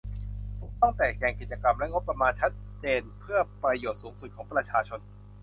ต้องแจกแจงกิจกรรมและงบประมาณชัดเจนเพื่อประโยชน์สูงสุดของประชาชน